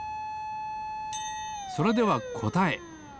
それではこたえ。